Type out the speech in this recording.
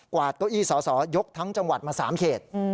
วาดเก้าอี้สอสอยกทั้งจังหวัดมา๓เขต